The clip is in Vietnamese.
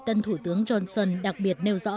tân thủ tướng johnson đặc biệt nêu rõ